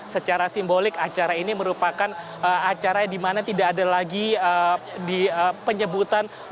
secara simbolik acara ini merupakan acara di mana tidak ada lagi penyebutan